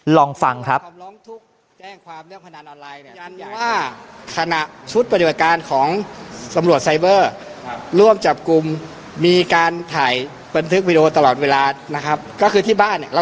ลองฟังครับ